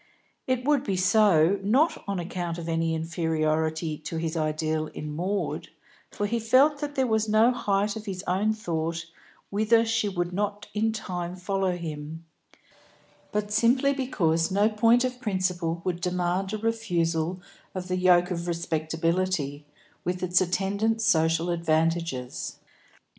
It would be so, not on account of any inferiority to his ideal in Maud, for he felt that there was no height of his own thought whither she would not in time follow him; but simply because no point of principle would demand a refusal of the yoke of respectability, with its attendant social advantages.